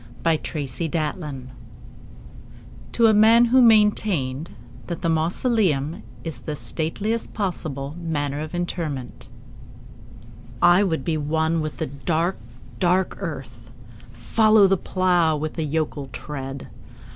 The Traveller heart (To a Man who maintained that the Mausoleum is the Stateliest Possible Manner of Interment) I would be one with the dark, dark earth:— Follow the plough with a yokel tread.